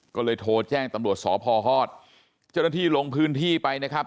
ก็เลยโทรแจ้งตำรวจสพฮเจ้าหน้าที่ลงพื้นที่ไปนะครับ